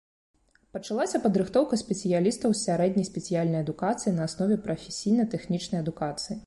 Пачалася падрыхтоўка спецыялістаў з сярэдняй спецыяльнай адукацыяй на аснове прафесійна-тэхнічнай адукацыі.